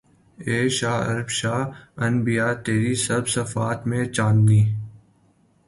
اے شہ عرب شہ انبیاء تیری سب صفات میں چاندنی